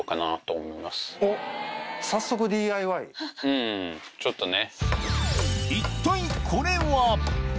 うんちょっとね。